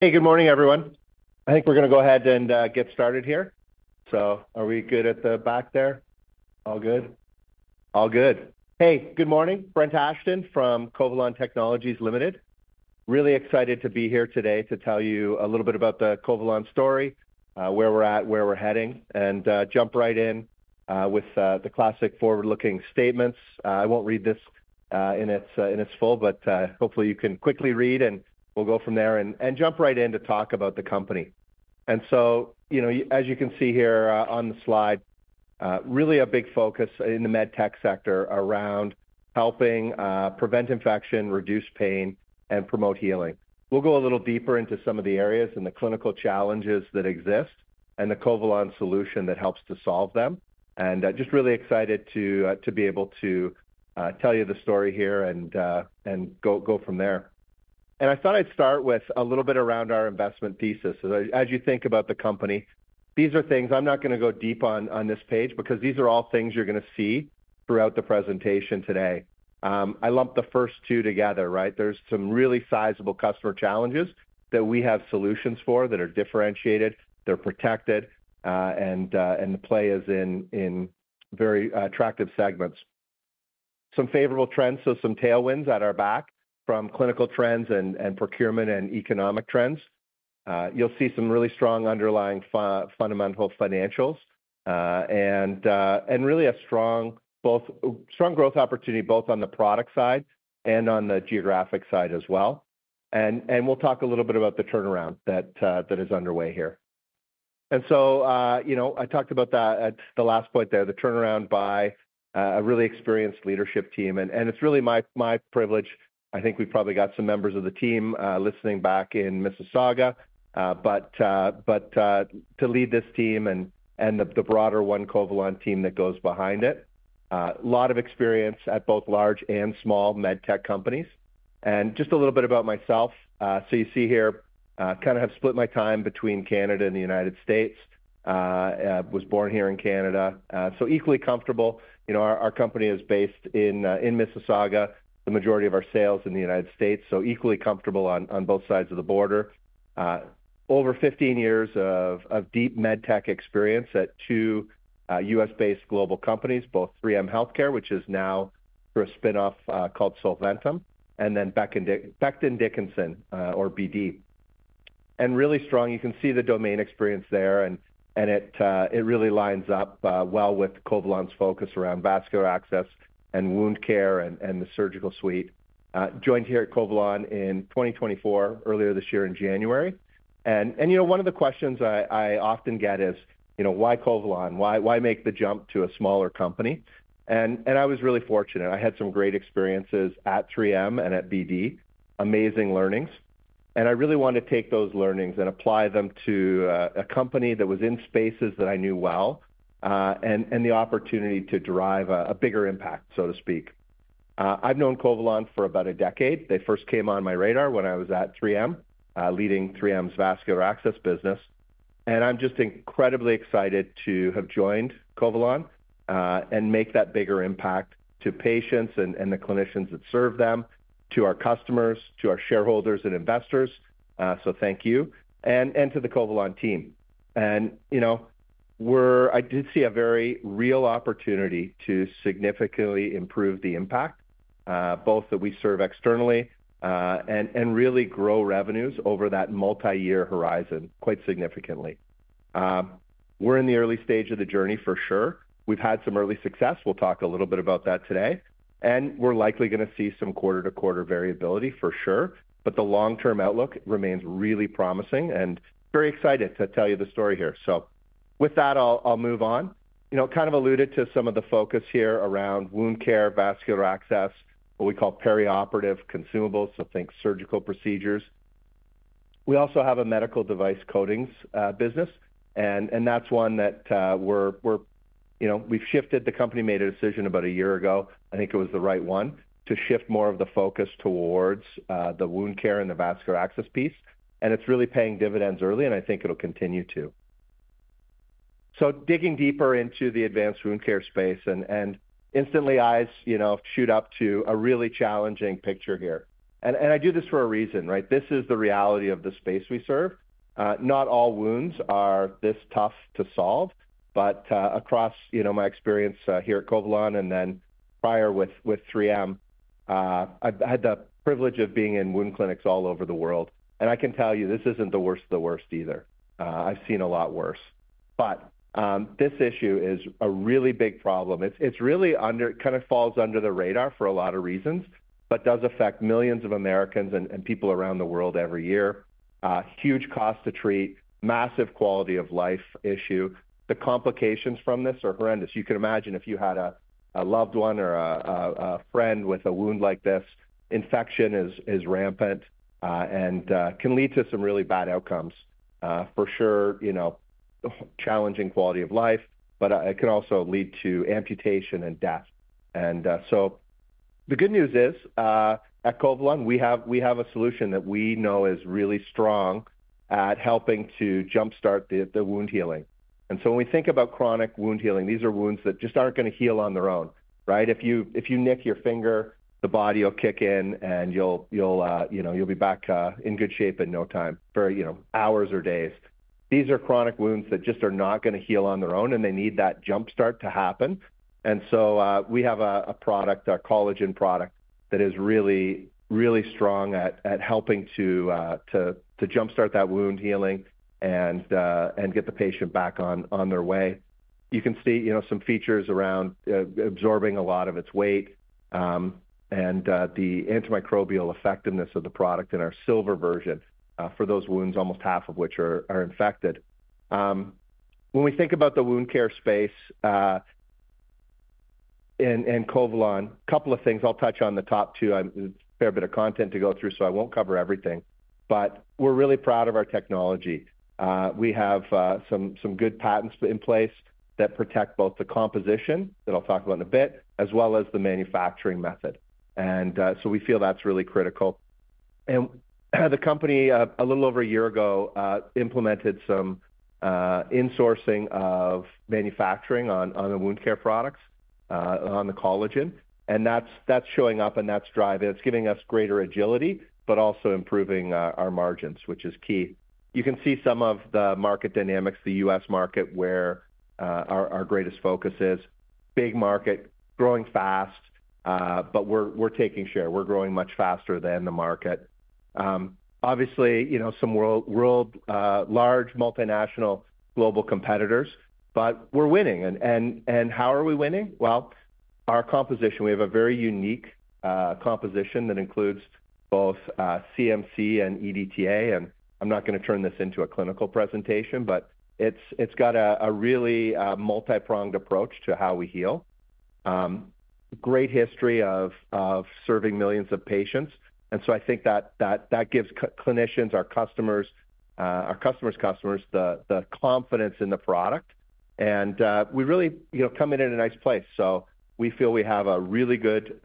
Hey, good morning, everyone. I think we're gonna go ahead and get started here. So are we good at the back there? All good? All good. Hey, good morning, Brent Ashton from Covalon Technologies Ltd. Really excited to be here today to tell you a little bit about the Covalon story, where we're at, where we're heading, and jump right in with the classic forward-looking statements. I won't read this in its full, but hopefully, you can quickly read, and we'll go from there and jump right in to talk about the company and so, you know, as you can see here on the slide, really a big focus in the med tech sector around helping prevent infection, reduce pain, and promote healing. We'll go a little deeper into some of the areas and the clinical challenges that exist and the Covalon solution that helps to solve them, and just really excited to be able to tell you the story here and go from there, and I thought I'd start with a little bit around our investment thesis. As you think about the company, these are things I'm not gonna go deep on this page because these are all things you're gonna see throughout the presentation today. I lumped the first two together, right? There's some really sizable customer challenges that we have solutions for, that are differentiated, they're protected, and the play is in very attractive segments. Some favorable trends, so some tailwinds at our back from clinical trends and procurement and economic trends. You'll see some really strong underlying fundamental financials, and really a strong growth opportunity, both on the product side and on the geographic side as well. We'll talk a little bit about the turnaround that is underway here. You know, I talked about that at the last point there, the turnaround by a really experienced leadership team. It's really my privilege. I think we've probably got some members of the team listening back in Mississauga, but to lead this team and the broader one, Covalon team that goes behind it. A lot of experience at both large and small med tech companies. Just a little bit about myself. So you see here, I kind of have split my time between Canada and the United States. I was born here in Canada, so equally comfortable. You know, our company is based in Mississauga, the majority of our sales in the United States, so equally comfortable on both sides of the border. Over 15 years of deep med tech experience at two U.S.-based global companies, both 3M Healthcare, which is now a spinoff called Solventum, and then Becton Dickinson, or BD. And really strong. You can see the domain experience there, and it really lines up well with Covalon's focus around vascular access and wound care and the surgical suite. Joined here at Covalon in 2024, earlier this year in January. You know, one of the questions I often get is, you know, "Why Covalon? Why, why make the jump to a smaller company?" I was really fortunate. I had some great experiences at 3M and at BD, amazing learnings, and I really wanted to take those learnings and apply them to a company that was in spaces that I knew well, and the opportunity to derive a bigger impact, so to speak. I've known Covalon for about a decade. They first came on my radar when I was at 3M, leading 3M's vascular access business, and I'm just incredibly excited to have joined Covalon, and make that bigger impact to patients and the clinicians that serve them, to our customers, to our shareholders and investors, so thank you, and to the Covalon team. You` know, I did see a very real opportunity to significantly improve the impact both that we serve externally and really grow revenues over that multiyear horizon quite significantly. We're in the early stage of the journey for sure. We've had some early success. We'll talk a little bit about that today, and we're likely gonna see some quarter-to-quarter variability for sure, but the long-term outlook remains really promising and very excited to tell you the story here. With that, I'll move on. You know, kind of alluded to some of the focus here around wound care, vascular access, what we call perioperative consumables, so think surgical procedures. We also have a medical device coatings business, and that's one that, you know, we've shifted. The company made a decision about a year ago, I think it was the right one, to shift more of the focus towards the wound care and the vascular access piece, and it's really paying dividends early, and I think it'll continue to. So digging deeper into the advanced wound care space, and instantly eyes, you know, shoot up to a really challenging picture here. And I do this for a reason, right? This is the reality of the space we serve. Not all wounds are this tough to solve, but across, you know, my experience here at Covalon and then prior with 3M, I've had the privilege of being in wound clinics all over the world, and I can tell you, this isn't the worst of the worst either. I've seen a lot worse. This issue is a really big problem. It's really kind of falls under the radar for a lot of reasons, but does affect millions of Americans and people around the world every year. Huge cost to treat, massive quality of life issue. The complications from this are horrendous. You can imagine if you had a loved one or a friend with a wound like this. Infection is rampant and can lead to some really bad outcomes. For sure, you know, challenging quality of life, but it can also lead to amputation and death. So the good news is, at Covalon, we have a solution that we know is really strong at helping to jumpstart the wound healing.... And so when we think about chronic wound healing, these are wounds that just aren't gonna heal on their own, right? If you nick your finger, the body will kick in, and you'll, you know, be back in good shape in no time, you know, hours or days. These are chronic wounds that just are not gonna heal on their own, and they need that jump start to happen. And so, we have a product, a collagen product, that is really, really strong at helping to jumpstart that wound healing and get the patient back on their way. You can see, you know, some features around absorbing a lot of its weight, and the antimicrobial effectiveness of the product in our silver version, for those wounds, almost half of which are infected. When we think about the wound care space, and Covalon, a couple of things. I'll touch on the top two. It's a fair bit of content to go through, so I won't cover everything, but we're really proud of our technology. We have some good patents in place that protect both the composition, that I'll talk about in a bit, as well as the manufacturing method, and so we feel that's really critical. And the company, a little over a year ago, implemented some insourcing of manufacturing on the wound care products, on the collagen, and that's showing up, and that's driving. It's giving us greater agility, but also improving our margins, which is key. You can see some of the market dynamics, the US market, where our greatest focus is. Big market, growing fast, but we're taking share. We're growing much faster than the market. Obviously, you know, some world large multinational global competitors, but we're winning. And how are we winning? Well, our composition. We have a very unique composition that includes both CMC and EDTA, and I'm not gonna turn this into a clinical presentation, but it's got a really multipronged approach to how we heal. Great history of serving millions of patients, and so I think that gives clinicians, our customers, our customer's customers, the confidence in the product. And we really, you know, come in a nice place. So we feel we have a really good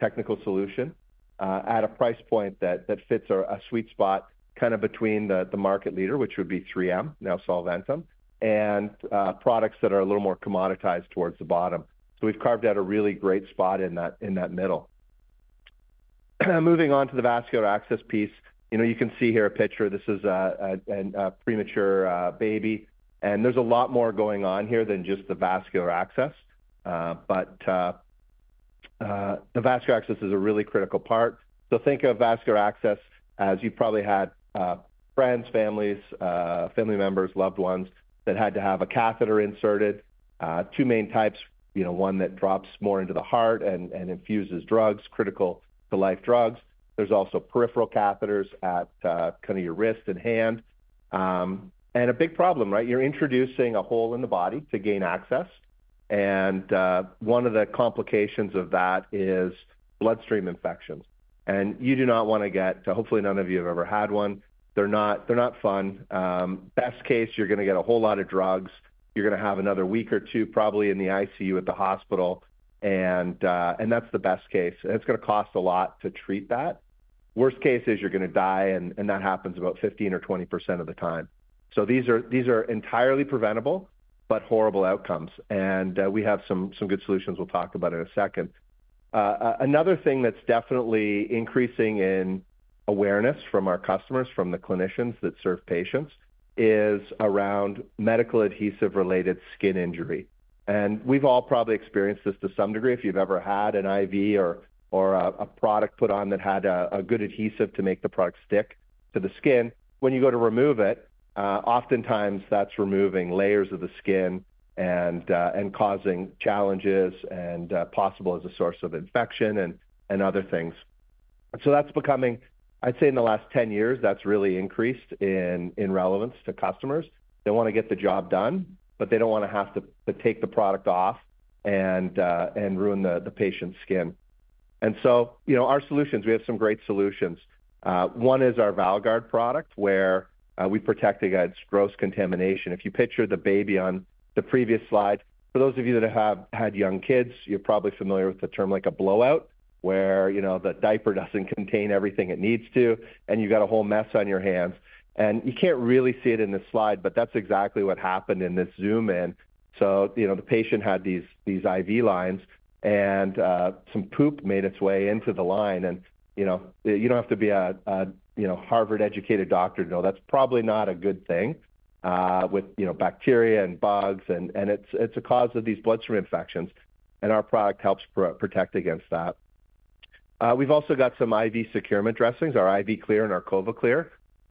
technical solution at a price point that fits our, a sweet spot, kind of between the market leader, which would be 3M, now Solventum, and products that are a little more commoditized towards the bottom. So we've carved out a really great spot in that middle. Moving on to the vascular access piece. You know, you can see here a picture. This is a premature baby, and there's a lot more going on here than just the vascular access, but the vascular access is a really critical part. So think of vascular access as you've probably had friends, families, family members, loved ones, that had to have a catheter inserted. Two main types: you know, one that drops more into the heart and infuses drugs, critical-to-life drugs. There's also peripheral catheters at kind of your wrist and hand. And a big problem, right? You're introducing a hole in the body to gain access, and one of the complications of that is bloodstream infections, and you do not wanna get one, so hopefully none of you have ever had one. They're not fun. Best case, you're gonna get a whole lot of drugs. You're gonna have another week or two, probably, in the ICU at the hospital, and that's the best case. It's gonna cost a lot to treat that. Worst case is you're gonna die, and that happens about 15%-20% of the time. These are entirely preventable, but horrible outcomes, and we have some good solutions we'll talk about in a second. Another thing that's definitely increasing in awareness from our customers, from the clinicians that serve patients, is around medical adhesive-related skin injury, and we've all probably experienced this to some degree. If you've ever had an IV or a product put on that had a good adhesive to make the product stick to the skin, when you go to remove it, oftentimes that's removing layers of the skin and causing challenges and possible as a source of infection and other things. So that's becoming. I'd say in the last 10 years, that's really increased in relevance to customers. They wanna get the job done, but they don't wanna have to take the product off and ruin the patient's skin. And so, you know, our solutions, we have some great solutions. One is our VALGuard product, where we protect against gross contamination. If you picture the baby on the previous slide, for those of you that have had young kids, you're probably familiar with the term like a blowout, where, you know, the diaper doesn't contain everything it needs to, and you got a whole mess on your hands. And you can't really see it in this slide, but that's exactly what happened in this zoom-in. So, you know, the patient had these, these IV lines, and, some poop made its way into the line. And, you know, you don't have to be a, a, you know, Harvard-educated doctor to know that's probably not a good thing, with, you know, bacteria and bugs and, and it's, it's a cause of these bloodstream infections, and our product helps protect against that. We've also got some IV securement dressings, our IV Clear and our CovaClear,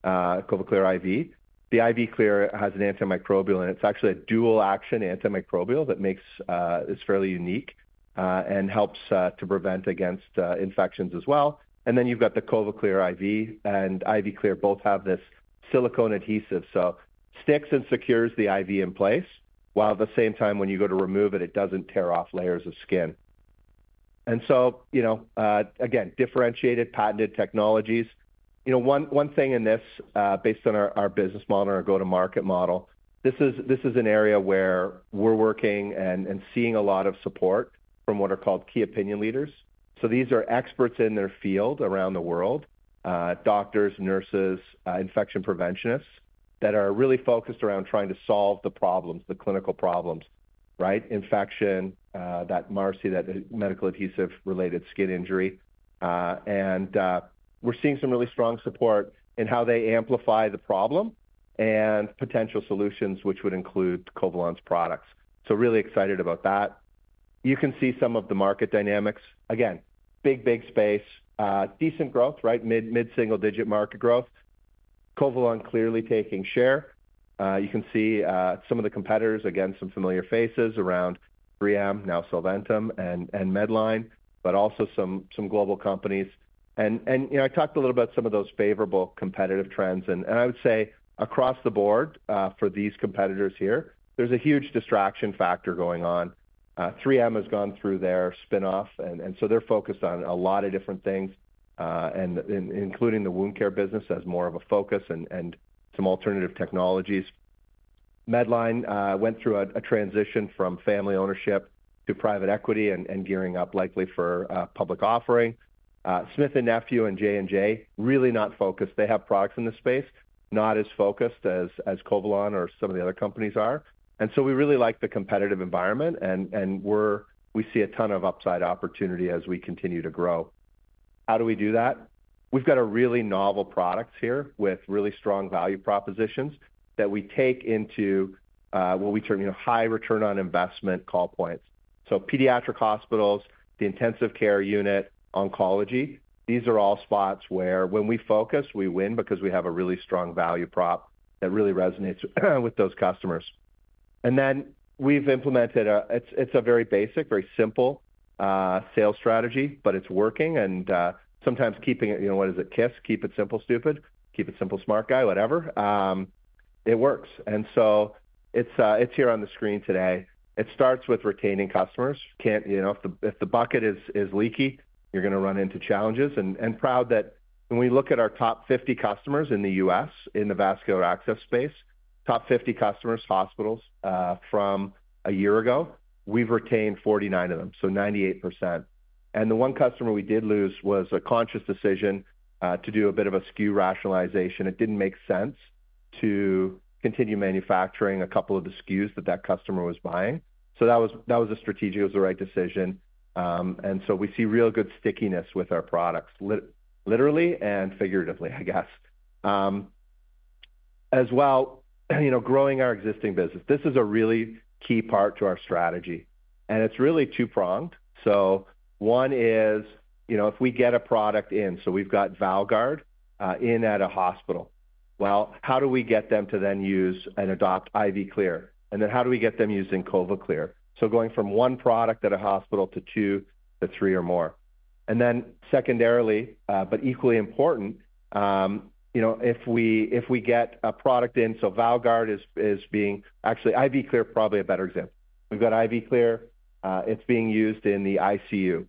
CovaClear IV. The IV Clear has an antimicrobial, and it's actually a dual-action antimicrobial that makes it fairly unique, and helps to prevent against infections as well. And then you've got the CovaClear IV and IV Clear both have this silicone adhesive, so sticks and secures the IV in place, while at the same time, when you go to remove it, it doesn't tear off layers of skin. And so, you know, again, differentiated, patented technologies. You know, one thing in this, based on our business model and our go-to-market model, this is an area where we're working and seeing a lot of support from what are called key opinion leaders, so these are experts in their field around the world, doctors, nurses, infection preventionists that are really focused around trying to solve the problems, the clinical problems, right? Infection, that MARSI, that medical adhesive-related skin injury. We're seeing some really strong support in how they amplify the problem and potential solutions, which would include Covalon's products, so really excited about that. You can see some of the market dynamics. Again, big, big space, decent growth, right? Mid-single-digit market growth. Covalon clearly taking share. You can see some of the competitors, again, some familiar faces around 3M, now Solventum and Medline, but also some global companies, and you know, I talked a little about some of those favorable competitive trends, and I would say across the board, for these competitors here, there's a huge distraction factor going on. 3M has gone through their spin-off, and so they're focused on a lot of different things, and including the wound care business as more of a focus and some alternative technologies. Medline went through a transition from family ownership to private equity and gearing up likely for a public offering. Smith & Nephew and J&J, really not focused. They have products in this space, not as focused as Covalon or some of the other companies are. And so we really like the competitive environment, and we see a ton of upside opportunity as we continue to grow. How do we do that? We've got a really novel products here with really strong value propositions that we take into what we term, you know, high return on investment call points. So pediatric hospitals, the intensive care unit, oncology, these are all spots where when we focus, we win because we have a really strong value prop that really resonates with those customers. And then we've implemented a... It's a very basic, very simple sales strategy, but it's working, and sometimes keeping it, you know, what is it, KISS? Keep It Simple, Stupid. Keep It Simple, Smart guy, whatever. It works. And so it's here on the screen today. It starts with retaining customers. Can't you know, if the bucket is leaky, you're gonna run into challenges. And proud that when we look at our top fifty customers in the U.S., in the vascular access space, top fifty customers, hospitals, from a year ago, we've retained forty-nine of them, so 98%. And the one customer we did lose was a conscious decision to do a bit of a SKU rationalization. It didn't make sense to continue manufacturing a couple of the SKUs that customer was buying. So that was a strategic, it was the right decision. And so we see real good stickiness with our products, literally and figuratively, I guess. As well, you know, growing our existing business. This is a really key part to our strategy, and it's really two-pronged. So one is, you know, if we get a product in, so we've got VALGuard in at a hospital, well, how do we get them to then use and adopt IV Clear? And then how do we get them using CovaClear? So going from one product at a hospital to two to three or more. Then secondarily, but equally important, you know, if we get a product in, so VALGuard is being. Actually, IV Clear is probably a better example. We've got IV Clear. It's being used in the ICU.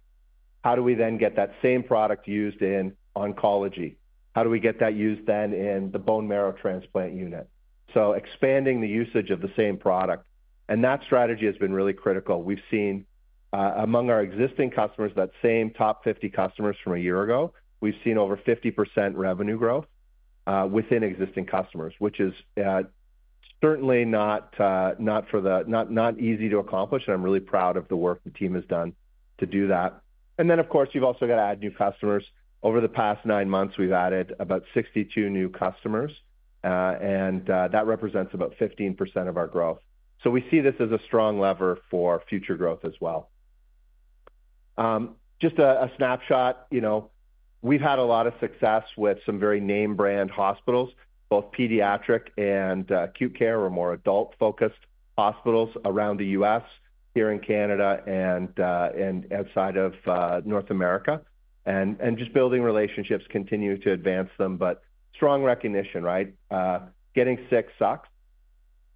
How do we then get that same product used in oncology? How do we get that used then in the bone marrow transplant unit? So expanding the usage of the same product, and that strategy has been really critical. We've seen, among our existing customers, that same top 50 customers from a year ago. We've seen over 50% revenue growth within existing customers, which is certainly not easy to accomplish, and I'm really proud of the work the team has done to do that. Then, of course, you've also got to add new customers. Over the past nine months, we've added about 62 new customers, and that represents about 15% of our growth. So we see this as a strong lever for future growth as well. Just a snapshot. You know, we've had a lot of success with some very name-brand hospitals, both pediatric and acute care or more adult-focused hospitals around the U.S., here in Canada, and outside of North America, and just building relationships, continuing to advance them, but strong recognition, right? Getting sick sucks,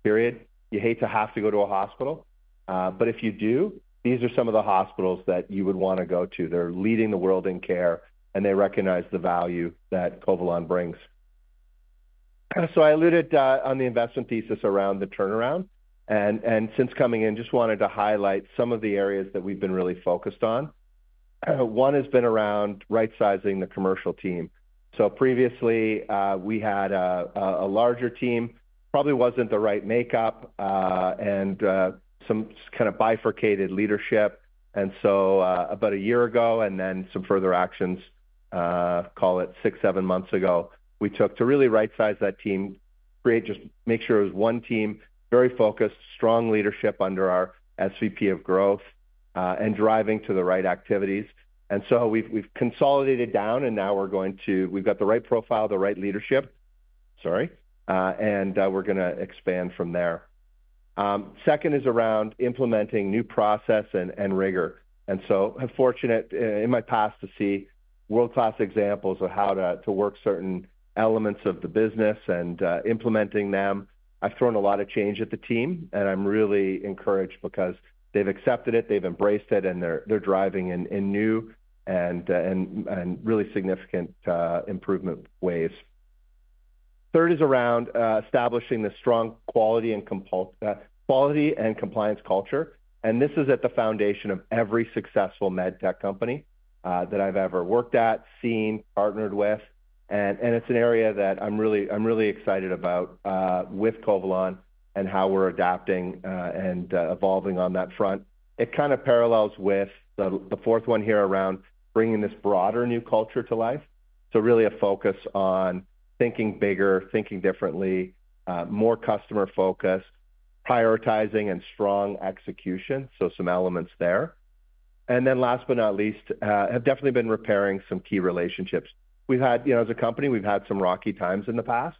period. You hate to have to go to a hospital, but if you do, these are some of the hospitals that you would want to go to. They're leading the world in care, and they recognize the value that Covalon brings. So I alluded on the investment thesis around the turnaround, and since coming in, just wanted to highlight some of the areas that we've been really focused on. One has been around right-sizing the commercial team. So previously, we had a larger team, probably wasn't the right makeup, and some kind of bifurcated leadership. And so, about a year ago, and then some further actions, call it six, seven months ago, we took to really right-size that team, just make sure it was one team, very focused, strong leadership under our SVP of growth, and driving to the right activities. And so we've consolidated down, and now we're going to, we've got the right profile, the right leadership. Sorry, and we're gonna expand from there. Second is around implementing new process and rigor. I'm fortunate in my past to see world-class examples of how to work certain elements of the business and implementing them. I've thrown a lot of change at the team, and I'm really encouraged because they've accepted it, they've embraced it, and they're driving in new and really significant improvement ways. Third is around establishing the strong quality and compliance culture, and this is at the foundation of every successful med tech company that I've ever worked at, seen, partnered with, and it's an area that I'm really excited about with Covalon, and how we're adapting and evolving on that front. It kind of parallels with the fourth one here around bringing this broader new culture to life. So really a focus on thinking bigger, thinking differently, more customer focused, prioritizing and strong execution, so some elements there. And then last but not least, have definitely been repairing some key relationships. We've had, you know, as a company, we've had some rocky times in the past,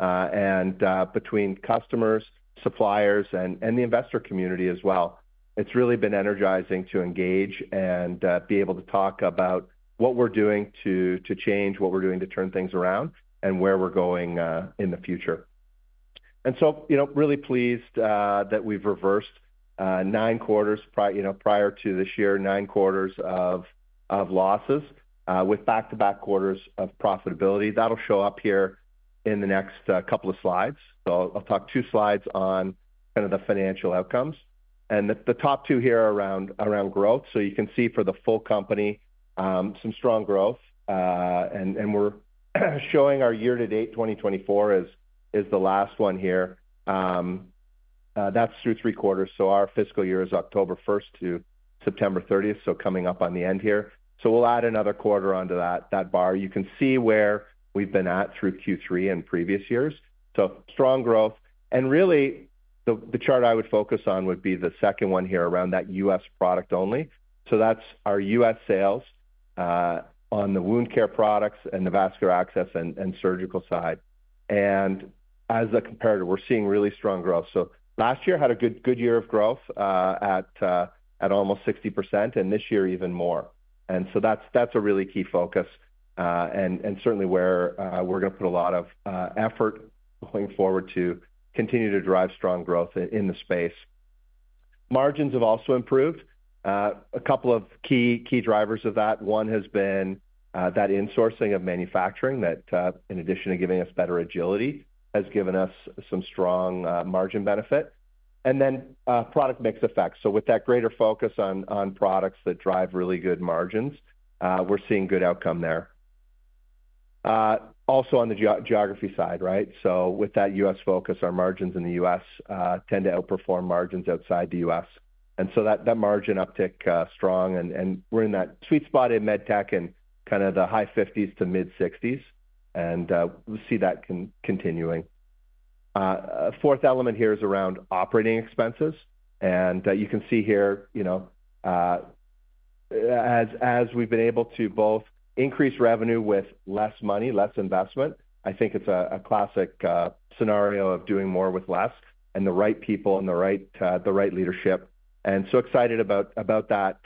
and between customers, suppliers, and the investor community as well, it's really been energizing to engage and be able to talk about what we're doing to change, what we're doing to turn things around, and where we're going in the future. And so, you know, really pleased that we've reversed nine quarters prior to this year, nine quarters of losses with back-to-back quarters of profitability. That'll show up here in the next couple of slides. So I'll talk two slides on kind of the financial outcomes, and the top two here are around growth. So you can see for the full company, some strong growth, and we're showing our year-to-date, 2024 as is the last one here. That's through three quarters, so our fiscal year is October first to September thirtieth, so coming up on the end here. So we'll add another quarter onto that bar. You can see where we've been at through Q3 in previous years. So strong growth, and really, the chart I would focus on would be the second one here around that U.S. product only. So that's our U.S. sales on the wound care products and the vascular access and surgical side. And as a comparator, we're seeing really strong growth. So last year had a good, good year of growth at almost 60%, and this year even more. That's a really key focus, and certainly where we're gonna put a lot of effort going forward to continue to drive strong growth in the space. Margins have also improved. A couple of key drivers of that, one has been that insourcing of manufacturing that in addition to giving us better agility has given us some strong margin benefit, and then product mix effects. So with that greater focus on products that drive really good margins, we're seeing good outcome there. Also on the geography side, right? So with that U.S. focus, our margins in the U.S. tend to outperform margins outside the U.S., and so that margin uptick strong, and we're in that sweet spot in med tech in kind of the high fifties to mid-sixties, and we'll see that continuing. Fourth element here is around operating expenses, and you can see here, you know, as we've been able to both increase revenue with less money, less investment. I think it's a classic scenario of doing more with less, and the right people and the right leadership. And so excited about that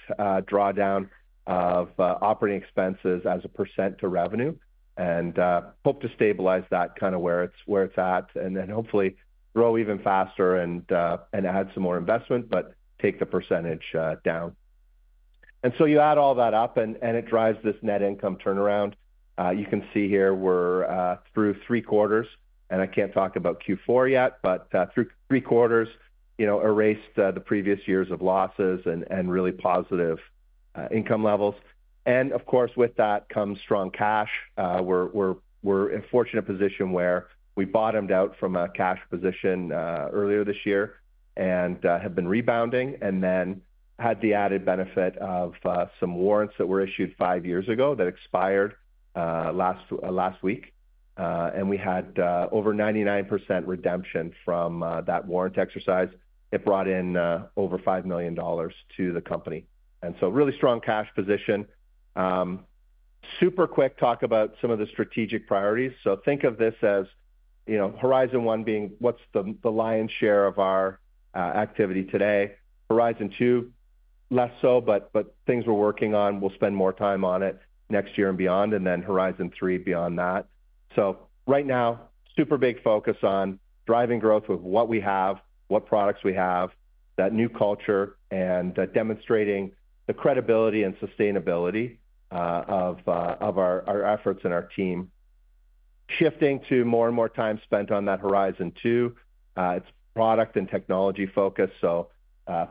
drawdown of operating expenses as a percent to revenue, and hope to stabilize that kind of where it's at, and then hopefully grow even faster and add some more investment, but take the percentage down. And so you add all that up and it drives this net income turnaround. You can see here we're through three quarters, and I can't talk about Q4 yet, but through three quarters, you know, erased the previous years of losses and really positive income levels. And of course, with that comes strong cash. We're in a fortunate position where we bottomed out from a cash position earlier this year, and have been rebounding, and then had the added benefit of some warrants that were issued five years ago that expired last week, and we had over 99% redemption from that warrant exercise. It brought in over 5 million dollars to the company, and so really strong cash position. Super quick, talk about some of the strategic priorities. So think of this as you know horizon one being what's the lion's share of our activity today. Horizon two, less so, but things we're working on, we'll spend more time on it next year and beyond, and then horizon three, beyond that. So right now, super big focus on driving growth with what we have, what products we have, that new culture, and demonstrating the credibility and sustainability of our efforts and our team. Shifting to more and more time spent on that horizon two, it's product and technology focused, so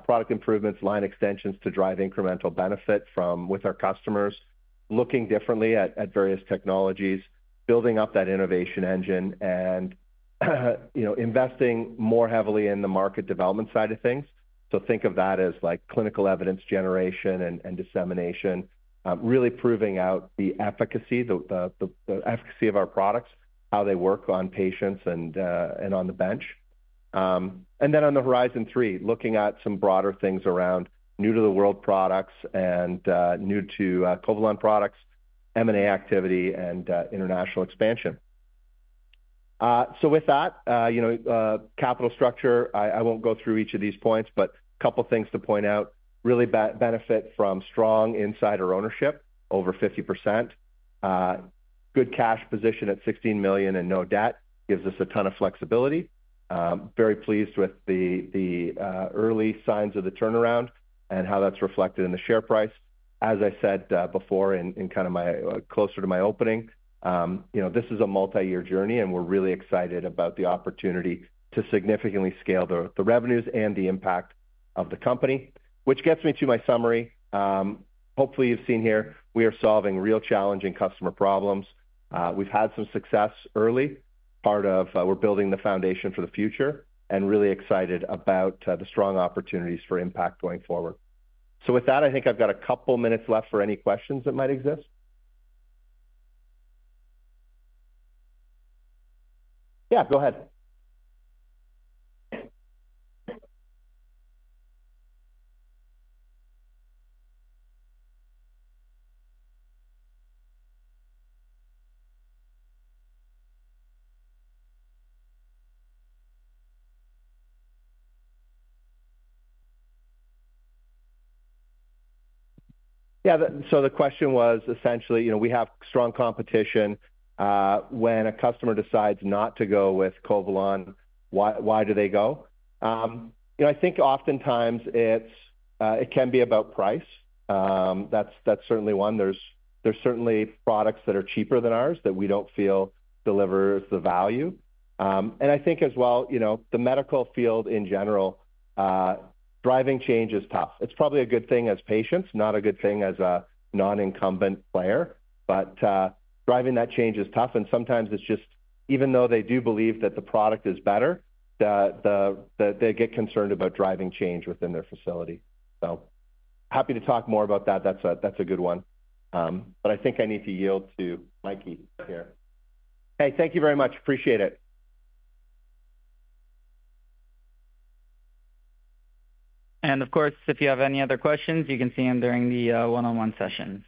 product improvements, line extensions to drive incremental benefit from with our customers, looking differently at various technologies, building up that innovation engine and, you know, investing more heavily in the market development side of things. So think of that as like clinical evidence generation and dissemination, really proving out the efficacy of our products, how they work on patients and on the bench. And then on the horizon three, looking at some broader things around new-to-the-world products and new to Covalon products, M&A activity, and international expansion. So with that, you know, capital structure, I won't go through each of these points, but a couple things to point out, really benefit from strong insider ownership, over 50%. Good cash position at 16 million and no debt gives us a ton of flexibility. Very pleased with the early signs of the turnaround and how that's reflected in the share price. As I said before, in kind of my closer to my opening, you know, this is a multi-year journey, and we're really excited about the opportunity to significantly scale the revenues and the impact of the company. Which gets me to my summary. Hopefully, you've seen here we are solving real challenging customer problems. We've had some success early, part of, we're building the foundation for the future and really excited about, the strong opportunities for impact going forward. So with that, I think I've got a couple minutes left for any questions that might exist. Yeah, go ahead. Yeah, the-- so the question was essentially, you know, we have strong competition, when a customer decides not to go with Covalon, why, why do they go? You know, I think oftentimes it's, it can be about price. That's, that's certainly one. There's, there's certainly products that are cheaper than ours that we don't feel delivers the value. And I think as well, you know, the medical field in general, driving change is tough. It's probably a good thing as patients, not a good thing as a non-incumbent player, but driving that change is tough, and sometimes it's just even though they do believe that the product is better, they get concerned about driving change within their facility, so happy to talk more about that. That's a good one, but I think I need to yield to Mikey here. Hey, thank you very much. Appreciate it, and of course, if you have any other questions, you can see him during the one-on-one session.